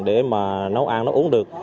để mà nấu ăn nấu uống được